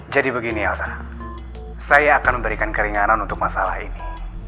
jadi begini elsa saya akan memberikan keringanan untuk masalah ini